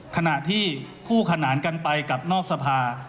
ขณะที่คู่ขนานกันไปกับนอกสภา